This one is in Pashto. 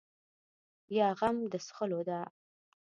یا غم د څښلو ده.